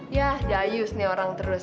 ya dayus nih orang terus